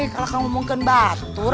kalau kamu ngomongkan batur